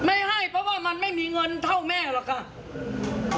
ไม่ให้เพราะว่ามันไม่มีเงินเท่าแม่หรอกค่ะ